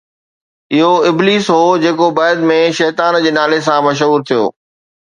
اهو ابليس هو جيڪو بعد ۾ شيطان جي نالي سان مشهور ٿيو